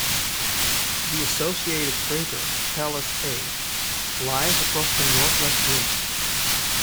The associated crater Pallas A lies across the northwest rim.